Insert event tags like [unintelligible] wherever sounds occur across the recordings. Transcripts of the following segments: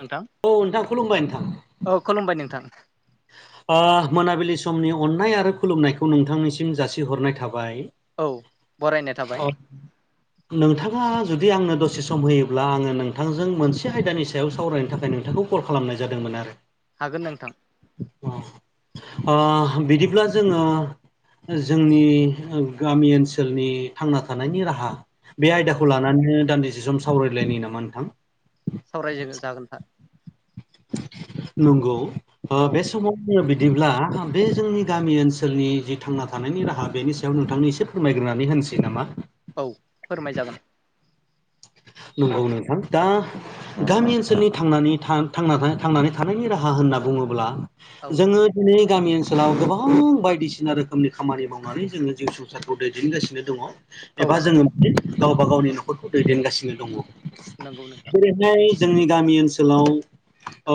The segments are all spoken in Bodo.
नोंथां औ नोंथां खुलुमबाय नोंथां। औ खुलुमबाय नोंथां। ओ मोनाबिलि समनि अननाय आरो खुलुमनायखौ नोंथांनिसिम जासिहरनाय थाबाय। औ बरायनाय थाबाय [inaudible] नोंथाङा जुदि आंनो दसे सम होयोब्ला आङो नोंथांजों मोनसे आयदानि सायाव सावरायनो थाखाय नोंथांखौ कल खालामनाय जादोंमोन आरो। हागोन नोंथां। आ बिदिब्ला जोङो जोंनि गामि ओनसोलनि थांना थानायनि राहा बे औ आयदाखौ लानानैनो दान्दिसे सम सावरायलायनायनि नामा नोंथां? सावराय ज जागोन था। नंगौ औ बे समाव बिदिब्ला बे जोंनि गामि ओनसोलनि जि थांना थानायनि राहा बेनि सायाव नोंथांनि एसे फोरमायग्रोनानै होनसै नामा? औ फोरमाय जागोन। नंगौ नोंथां दा। गामि ओनसोलनि थांनानै थानायनि राहा होनना बुङोब्ला औ जोङो। दिनै गामि ओनसोलाव गोबां बायदिसिना रोखोमनि खामानि मावनानै जोङो जिउ सु सारखौ दैदेनगासिनो दङ। औ एबा जोङो माने गावबा गावनि न'खरखौ दैदेनगासिनो दङ। नंगौ नोंथां। बेहाय जोंनि गामि ओनसोलाव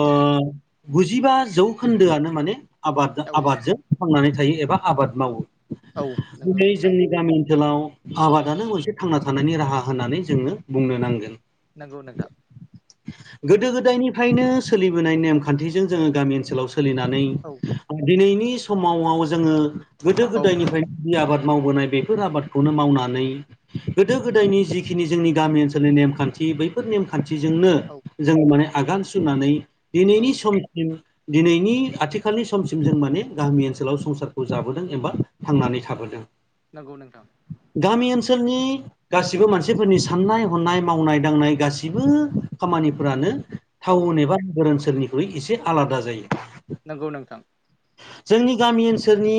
औ गुजिबा जौखोन्दोआनो माने आबाद औ आबादजों थांनानै थायो एबा आबाद मावो। औ नंगौ दिनै नोंथां जोंनि गामि ओनसोलाव आबादानो मोनसे थांना थानायनि राहा होननानै जोङो बुंनो नांगोन। नंगौ नोंथां। गोदो गोदायनिफ्रायनो सोलिबोनाय नेमखान्थिजों जोङो गामि ओनसोलाव सोलिनानै औ दिनैनि समाव वाव जोङो गोदो औ गोदायनिफ्राय जि आबाद मावबोनाय बेफोर आबादखौनो मावनानै गोदो गोदायनि जिखिनि जोंनि गामि ओनसोलनि नेमखान्थि बैफोर नेमखान्थिजोंनो औ जों माने आगान सुरनानै औ दिनैनि समसिम दिनैनि आथिखालनि समसिम जों माने गामि ओनसोलाव संसारखौ जाबोदों एबा थांनानै थाबोदों। नंगौ नोंथां। गामि ओनसोलनि गासिबो मानसिफोरनि सा साननाय हनाय मावनाय दांनाय गासिबो खामानिफोरानो औ टाउन एबा नोगोर ओनसोलनिख्रुइ एसे आलादा जायो। नंगौ नोंथां। जोंनि गामि ओनसोलनि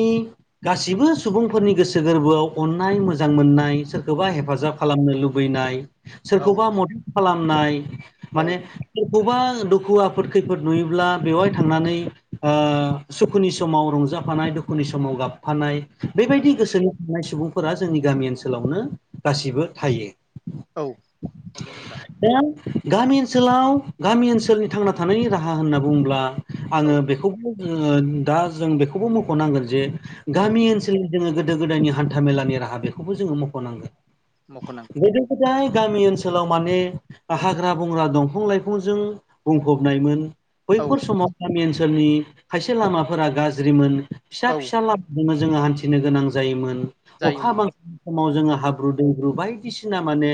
गासिबो सुबुंफोरनि गोसो गोरबोआव अननाय मोजां मोननाय सोर सोरखौबा औ हेफाजाब खालामनो लुबैनाय औ सोरखौबा मदद खालामनाय औ माने सोरखौबा दुखु आफोद खैफोद नुयोब्ला बेवहाय थांनानै ओ सुखुनि समाव रंजाफानाय दुखुनि समाव गाब फानाय बैबायदि नंगौ गोसोनि थानाय सुबुंफोरा जोंनि गामि ओनसोलावनो गासिबो थायो। औ नंगौ नोंथां। दा गामि ओनसोलाव गामि ओनसोलनि थांना थानायनि राहा होनना बुङोब्ला औ आङो बेखौबो बुङो दा जों बेखौबो मख'नांगोन जे औ गामि ओनसोलनि जोङो गोदो गोदायनि हान्था मेलानि राहा बेखौबो जोङो मख'नांगोन। मख'नां गोदो गोदाय गामि ओनसोलाव माने हाग्रा बंग्रा दंफं लाइफंजों बुंफबनायमोन। औ बैफोर समाव गामि ओनसोलनि खायसे लामाफोरा गाज्रिमोन फिसा औ फिसा लामा जोङो हान्थिनो गोनां जायोमोन अखा जायोमोन बांखानि समाव जोङो औ हाब्रु दैब्रु बाय बायदिसिना माने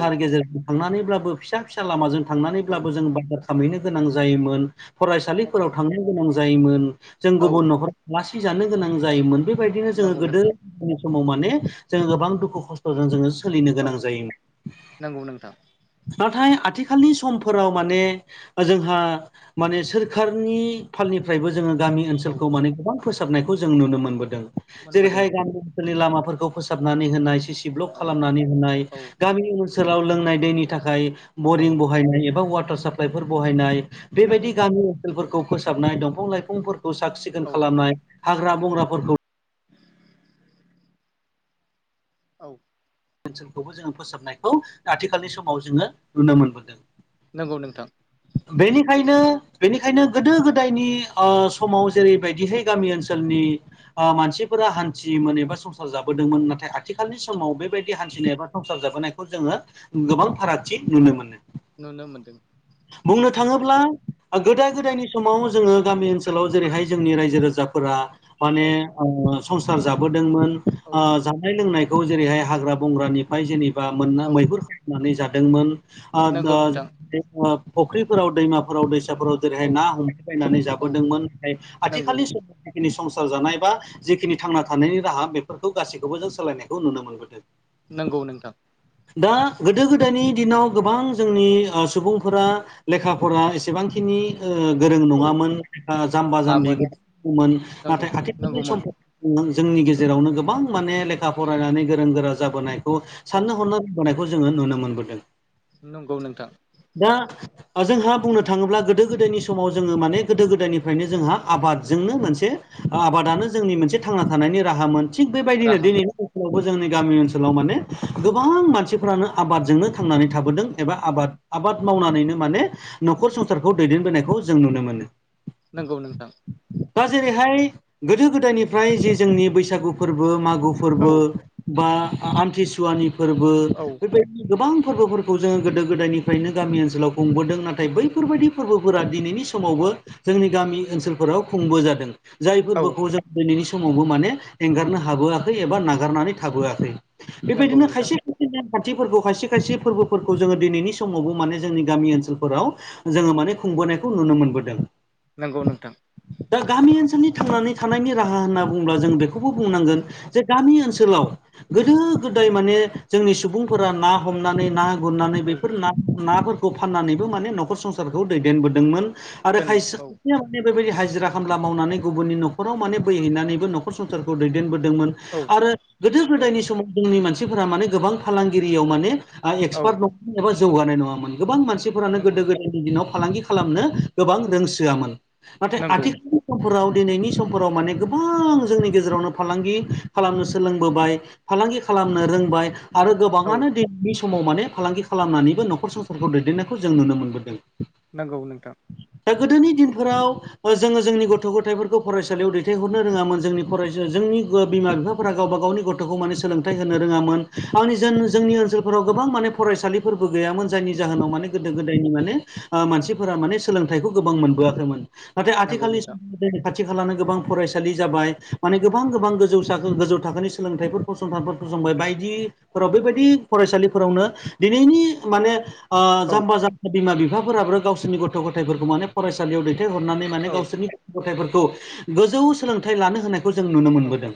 औ गेजेरजों थांनानैब्लाबो फिसा फिसा लामाजों औ थांनानैब्लाबो जों बाजार खामहैनो गोनां जायोमोन, नंगौ फरायसालिफोराव थांनो गोनां जायोमोन, जों औ गुबुन न'खर जानो गोनां जायोमोन। बेबायदिनो जोङो नंगौ गोदो नोंथां सम समाव माने जों गोबां दुखु खस्थ'जों जोङो सोलिनो औ गोनां जायोमोन। नंगौ नोंथां नाथाय आथिखालनि समफोराव माने जोंहा माने सोरखारनि फालनिफ्रायबो जोङो गामि औ ओनसोलखौ माने गोबां फोसाबनायखौ जों नुनो मोनबोदों। मोनबोदों जेरैहाय गामि ओनसोलनि लामाफोरखौ फोसाबनानै होनाय। सिसि ब्लक औ खालामनानै होनाय। औ गामिनि ओनोल ओनसोलाव लोंनाय दैनि थाखाय औ बरिं बहायनाय एबा वाटार साप्लाइफोर बहायनाय। नंगौ बेबायदि गामि ओनसोलफोरखौ फोसाबनाय दंफां लाइफांफोरखौ साख सिखोन औ खालामनाय हाग्रा बंग्राफोरखौ औ। ओनसोलखौबो जोङो फोसाबनायखौ आथिखालनि समाव जोङो नुनो मोनबोदों। नंगौ नोंथां। बेनिखायनो बेनिखायनो गोदो गोदायनि ओ समाव जेरैबायदिहाय गामि ओनसोलनि ओ मानसिफोरा हान्थि मोन एबा सम संसार जाबोदोंमोन नाथाय आथिखालनि समाव बेबायदि हान्थिनाय एबा संसार जाबोनायखौ जोङो गोबां फारागथि नुनो मोनो। नुनो मोन्दों। बुंनो थाङोब्ला गोदा गोदायनि समाव जोङो गामि ओनसोलाव जेरैहाय जोंनि रायजो राजाफोरा माने औ संसार जाबोदोंमोन। औ जानाय लोंनायखौ जेरैहाय हाग्रा बंग्रानि ओमफ्राय जेनेबा मोन औ मैहुर खालामनानै जादोंमोन। नंगौ नोंथां फुख्रिफोराव दैमाफोराव दैसाफोराव जेरैहाय औ ना हमनाय बायनानै औ जाबोदोंमोन। नाथाय नंगौ आथिखालनि सम जिखिनि संसार जानाय बा जेखिनि थांना थानायनि राहा बेफोरखौ गासैखौबो जों सोलायनायखौ नुनो मोनबोदों। नंगौ नोंथां। दा गोदो गोदायनि दिनाव गोबां जोंनि सुबुं फोरा लेखा फरा एसेबांखिनि गोरों औ नङामोन। जाम्बा नङामोन जाम्बिमोन [inaudible] नंगौ नाथाय आथिखालनि नंगौमोन समफ्राव जोंनि गेजेरावनो गोबां माने लेखा फरायनानै गोरों गोरा जाबोनायखौ औ साननो हनो होनायखौ जोङो नुनो मोनबोदों। नंगौ नोंथां। दा जोंहा बुंनो थाङोब्ला गोदो गोदायनि समाव जोङो माने गोदो गोदायनिफ्रायनो जोंहा आबादजोंनो मोनसे आबादानो जोंनि मोनसे थांना थानायनि राहामोन। थिग बेबायदिनो राहामोन दिनैनो आवबो जोंनि गामि ओनसोलाव माने गोबां मानसिफ्रानो आबादजोंनो थांनानै थाबोदों एबा आबाद आबाद मावनानैनो माने न'खर संसारखौ दैदेनबोनायखौ जों नुनो मोनो। नंगौ नोंथां। दा जेरैहाय गोदो गोदायनिफ्राय जि जोंनि बैसागु फोरबो मागो औ फोरबो बा आमथिसुवानि फोरबो औ बेबायदि गोबां फोरबोफोरखौ जोङो गोदो गोदायनि निफ्रायनो गामि ओनसोलाव खुंबोदों - नाथाय बैफोरबायदि फोरबोफोरा दिनैनि समावबो जोंनि गामि ओनसोलफोराव खुंबो जादों। जाय औ फोरबोखौ जों दिनैनि समावबो माने एंगारनो हाबोआखै एबा नागारनानै थाबोआखै। नंगौ बेबायदिनो नोंथां खायसे खायसे नेम खान्थिफोरखौ खायसे खायसे फोरबोफोरखौ जोङो दिनैनि समावबो माने जोंनि गामि ओनसोलफोराव जोङो माने खुंबोनायखौ नुनो मोनबोदों। नंगौ नोंथां। दा गामि ओनसोलनि थांनानै थानायनि राहा होनना बुङोब्ला जों बे खौबो बुंनांगोन जे गामि ओनसोलाव गोदो गोदाय माने जोंनि सुबुंफोरा ना हमनानै ना गुरनानै औ बेफोर ना नाफोरखौ फाननानैबो माने नखर संसारखौ दैदेनबोदोंमोन आरो दोनलि खायसे औ माने बेबायदि हाजिरा खामला मावनानै गुबुननि न'खराव माने बैहैनानैबो नखर संसारखौ दैदेनबोदोंमोन। औ आरो गोदो औ गोदायनि समाव जोंनि मानसिफोरा माने गोबां फालांगिरियाव माने औ एक्सपार्ट नङामोन एबा जौगानाय नङामोन गोबां मानसिफोरानो नंगौ गोदो गोदाय दिनाव फालांगि खालामनो गोबां रोंसोआमोन नाथाय नंगौ आथिखाल समफोराव दिनैनि समफोराव माने गोबां जोंनि गेजेरावनो फालांगि खालामनो सोलोंबोबाय। फालांगि खालामनो रोंबाय आरो औ गोबाङानो दिनैनि समाव माने फालांगि खालामनानैबो न'खर संसारखौ दैदेननायखौ जों नुनो मोनबोदों। नंगौ नोंथां। दा गोदोनि दिनफोराव जोङो जोंनि गथ' गथायफोरखौ फरायसालियाव दैथायहरनो रोङामोन। जोंनि फरायसा जोंनि बिमा बिफा गावबा गावनि गथ'खौ सोलोंथाइ होनो रोङामोन। जोंनि ओनसोलफोराव गोबां माने फरायसालि गैयामोन जायनि जाहोनाव माने नंगौ गोदो गोदायनि माने मानसिफोरा माने सोलोंथाइखौ गोबां मोनबोआखैमोन- नाथाय नंगौ आथिखालनि नोंथां जोंनि खाथि खालानो गोबां फरायसालि जाबाय- माने गोबां गोबां गोजौ थाखो गोजौ थाखोनि सोलोंथाइफोरखौ फसंथानफोर जोंबो बायदिफोराव बेबायदि फरायसालिफोरावनो दिनैनि माने औ जाम्बा जाम्बि बिमा बिफाफोराबो गावसोरनि गथ' गथायफोरखौ माने फरायसालियाव दैथायहरनानै माने औ गावसोरनि गथायाइफोरखौ गोजौ सोलोंथाइ लानो होनायखौ जों नुनो औ मोनबोदों।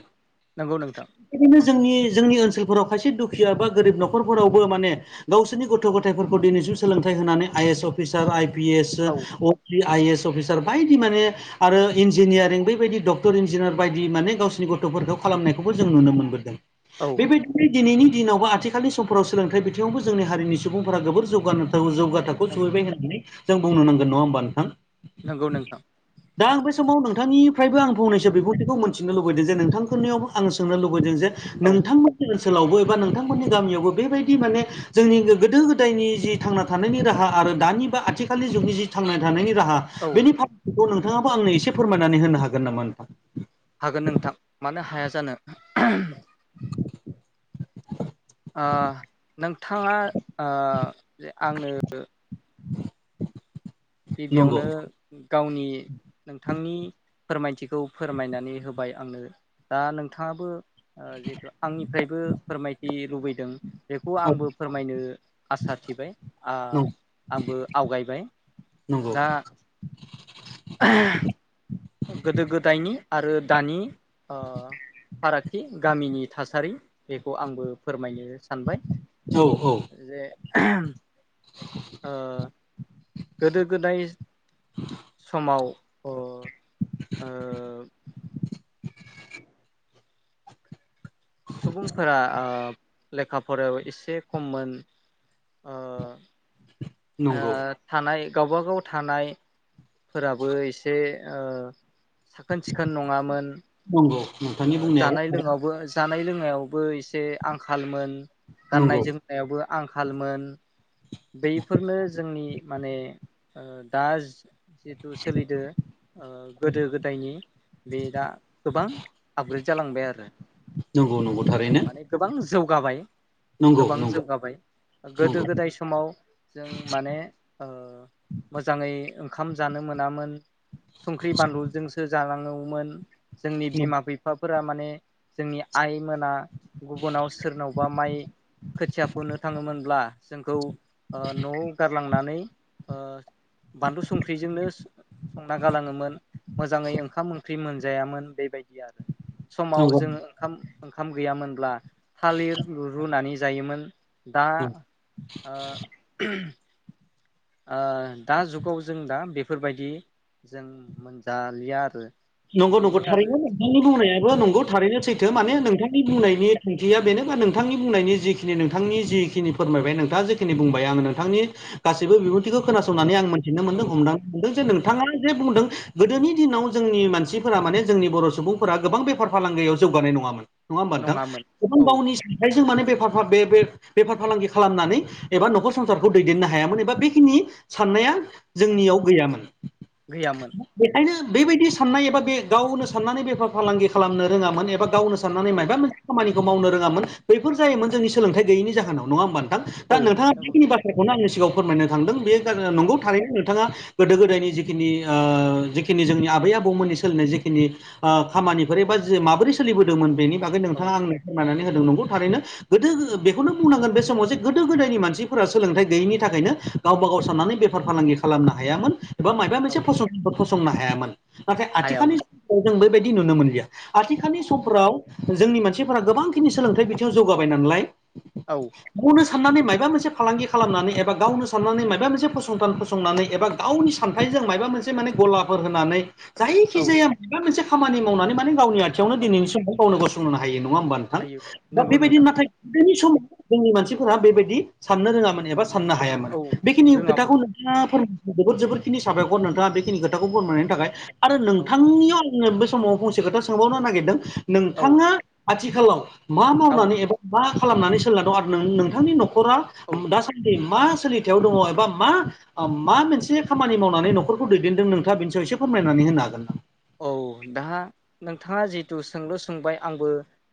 नंगौ नोंथां बिदिनो जोंनि जोंनि ओनसोलफोराव खायसे दुखिया बा गोरिब न'खरफोरावबो माने गावसोरनि गथ' गथायफोरखौ दिनैसिम सोलोंथाइ होनानै I S officer I P S अ औ आइ ए एस अफिसार बायदि माने आरो इन्जिनियारिं बेबायदि डक्टर इन्जिनियार बायदि माने गावसिनि गथ'फोरखौ खालामनायखौबो जों नुनो मोनबोदों। औ बेबायदिनो दिनैनि दिनावबो आथिखालनि समफोराव सोलोंथाइ बि यावबो जोंनि हारिनि सुबुंफोरा गोोबोर जौगानो जौगा थाखोआव नंगौ सहैबाय होननानै जों बुंनो नांगोन नङा होमबा नोंथां? नंगौ नोंथां। दा आं बे समाव नोंथांनिफ्रायबो आं फंनैसो बिबुंथिखौ मोनथिनो लुबैदों जे नोंथांफोरनियावबो आं सोंनो लुबैदों जे औ नोंथांमोननि ओनसोलावबो एबा नोंथांमोननि गामियावबो बेबायदि माने जोंनि गोदो गोदायनि जि थांना थानायनि राहा आरो दानि बा आथिखालनि जुगनि जि थांना थानायनि राहा औ बेनि फारागखौ नोंथाङाबो आंनो एसे फोरमायनानै होनो हागोन नामा नोंथां? हागोन नोंथां मानो हाया जानो। [inaudible] ओ नोंथाङा ओ जे आंनो नंगौ गिबियावनो गावनि नोंथांनि फोरमायथिखौ फोरमायनानै होबाय आंनो दा नोंथाङाबो ओ जिहेतु आंनिफ्रायबो फोरमायथि लुबैदों बेखौ औ आंबो फोरमायनो आसा थिबाय आंबो आवगायबाय। नंगौ दा गोदो गोदायनि आरो दानि ओ फारागथि गामिनि थासारि बेखौ आंबो फोरमायनो सानबाय। औ औ जे ओ गोदो गोदाय समाव ओ ओ सुबुंफोरा ओ लेखा फरायाबो एसे खममोन ओ ओ नंगौ थानाय गावबागाव थानाय फोराबो एसे ओ साखोन सिखोन नङामोन नंगौ नोंथांनि ओ बुंनायाबो जानाय लोंनायावबो जानाय लोंनायावबो एसे आंखालमोन नंगौ गाननायजों ायावबो आंखालमोन बै बेफोरनो जोंनि माने ओ दा जिथु सोलिदो ओ गोदो गोदायनि बे दा गोबां आपग्रेड जालांबाय आरो। नंगौ नंगौ थारैनो। माने गोबां जौगाबाय नंगौ गोबां नंगौ जौगाबाय गोदो नंगौ गोदाय समाव जों माने ओ मोजाङै ओंखाम जानो मोनामोन। संख्रि बानलुजोंसो जालाङोमोन जोंनि बिमा बिफ बिफाफोरा माने जोंनि आइ मोना गुबुनाव सोरनावबा माइ खोथिया फुनो थाङोमोनब्ला जोंखौ ओ न'आव गारलांनानै ओ बानलु संख्रिजोंनो संना गालाङोमोन मोजाङै ओंखाम ओंख्रि मोनजायामोन बेबायदि आरो। समाव नंगौ जोङो ओंखाम ओंखाम गैयामोनब्ला थालिर रुनानै जायोमोन। दा नंगौ ओ ओ दा जुगाव जों दा बेफोरबायदि जों मोनजालिया आरो। नंगौ नंगौ बेनो आरो थारैनो औ नोंथांनि बुंनायाबो नंगौ थारैनो सैथो माने नंगौ नोंथां नि औ बुंनायनि थांखिया बेनोबा नोंथांनि बुंनायनि जिखिनि नोंथांनि जिखिनि फोरमायबाय नोंथाङा जे [unintelligible] बुंबाय आङो नोंथांनि गासिबो बिबुं खौ औ खोनासंनानै आं मोनथिनो औ मोनदों हमदांनो मोनदों जे औ नोंथाङा जे बुंदों गोदोनि दिनाव जोंनि मानसिफोरा माने जोंनि बर' सुबुंफोरा गोबां बेफार फालांगियाव जौगानाय नङामोन। नङा होमबा नोंथां नङामोन गोबां औ गावनि सथथायजों माने बेफार [unintelligible] बेफार फालांगि खालामनानै एबा न'खर संसारखौ दैदेननो हायामोन एबा बेखिनि साननाया जोंनियाव गैयामोन गैयामोन बेखायनो बेबायदि साननाय एबा बे गावनो साननानै बेफार फालांगि खालामनो रोङामोन एबा गावनो साननानै औ माबा मोन खामानिखौ मावनो रोङामोन बैफोर जायोमोन जोंनि सोलोंथाइ गोयैनि जाहोनाव नङा होमबा नोंथां दा औ नोंथाङा नंगौ जिखिनि नोंथां बाथ्राखौ बेखौनो आंनि सिगाङाव फोरमायनो थांदों बे नंगौ औ थारैनो नोंथाङा गोदो गोदायनि जिखिनि ओ जिखिनि जोंनि आबै आबौ आबौमोननि सोलिनाय जिखिनि ओ खामानिफोर एबा जे माबोरै सोलिबोदोंमोन बेनि बागै नोंथाङा औ आंनो फोरमायनानै होदों नंगौ थारैनो। गोदो बेखौनो बुंनांगोन बे समाव जे गोदो गोदायनि मानसिफोरा सोलोंथाइ गैयिनि थाखायनो गावबा गाव साननानै बेफार फालांगि खालामनो हायामोन। एबा माबा औ मोनसे फसंथानफोर फसंनो हायामोन नाथाय आथिखालनि हायामोन [unintelligible] जों बेबायदि नुनो मोनलिया। आथिखालनि औ समफोराव जोंनि मानसिफोरा गोबांखिनि सोलोंथाइ बिथिङाव जौगाबाय नालाय। औ। गावनो साननानै माबा मोनसे फालांगि खालामनानै एबा गावनो साननानै माबा मोनसे फसंथान फसंनानै एबा गावनि सानथाइजों माबा मोनसे माने गलाफोर होनानै जायखिजाया माबा मोनसे खामानि मावनानै माने गावनि आथिंयावनो औ दिनैनि समाव गावनो गसंनो हायो नङा होमब्ला नोंथां हायो दा नंगौ बेबायदि नोंथां नाथाय गोदनि समाव जोंनि मानसिफोरा बेबायदि साननो रोङामोन एबा साननो हायामोन औ बेखिनि रोङामोन खोथाखौ [unintelligible] जोबोद जोबोरखिनि साबायखर नोंथाङा बेखिनि खोथाखौ औ फोरमायनायनि थाखाय आरो औ नोंथांनि बे समाव फंसे खोथा सोंबावनो नागिरदों औ नोंथाङा आथिखालाव मा औ मावनानै एबा मा खालामनानै सोलिना दं आरो नोंथांनि न'खरा औ दासान दि मा सोलिथायाव दङ एबा मा मा मोनसे खामानि मावनानै न'खरखौ दैदेनदों नोंथाङा बेनि सायाव एसे फोरमायनानै होनो हागोन ना? औ दा नोंथाङा जिहेथु सोंल' सोंबाय आंबो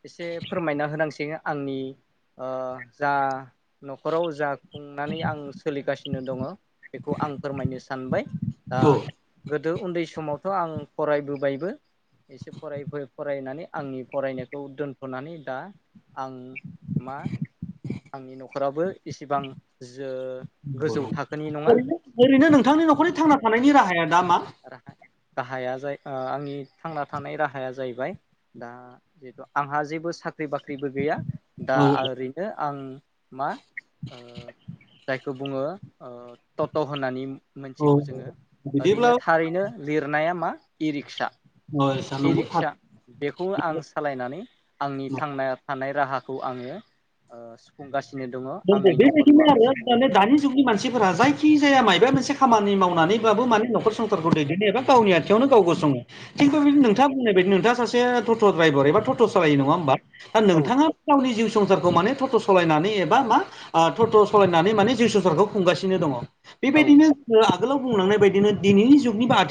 एसे फोरमायना होनांसिगोन आंनि ओ जा न'खराव जा खुंनानै आं सोलिगासिनो दङ बेखौ आं फोरमायनो सानबाय दा औ गोदो उन्दै समावथ' आं फरायबोबायबो। एसे फरायै फरायनानै आंनि फरायनायखौ दोनथ'नानै दा आं मा आंनि न'खराबो इसिबां जो ओै गोजौ थाखोनि नङा ओरैनो नोंथांनि औ न'खरनि थांना दा थानायनि राहाया दा मा? राहा राहाया जाय ओ आंनि थांना थानाय राहाया जाहैबाय दा जेहेथु आंहा जेबो सा ख्रि बाख्रिबो गैया दा औ ओरैनो आं मा ओ जायखौ बुङो ओ ट'ट' होननानै औ मोनथिगौ जोङो बिदिब्ला ओरैनो थारैनो लिरनाया मा इ रिक्सा अ इ नंगौ थार रिक्सा बेखौ आं सालायनानै आंनि थांना थानाय राहाखौ आङो। ओ सुफुंगासिनो दङ। [unintelligible] आंनि न'खरखौ बेबायदिनो आं आरो सुफुं माने औ दानि जुगनि मानसिफोरा जायखि जाया मायबा मोनसे खामानि मावनानैबाबो माने नखर औ संसारखौ दैदेनो एबा गावनि आथिंयावनो गाव गसङो थिग बेदिनो नंगौ नोंथांङा होननाय बायदिनो नोथाङा सासे टट' द्राइार एबा ट' सालायो औ नङा होमबा दा औ नोंथाङा गावनि जिउ संसारखौ माने टट' सालायनानै एबा बा मा टट' सालायनानै माने जिउ संसारखौ खुंगासिनो दङ औ बेबायदिनो आगोलाव बुंलांनाय बायदिनो दिनैनि जुगनि [unintelligible]